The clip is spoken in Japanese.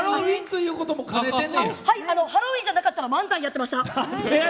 ハロウィーンじゃなかったら漫才やってました。